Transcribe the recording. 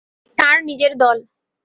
তার নিজের দল।